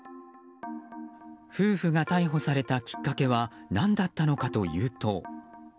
夫婦が逮捕されたきっかけは何だったのかというと。